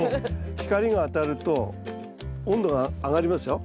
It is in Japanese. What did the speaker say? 光が当たると温度が上がりますよ。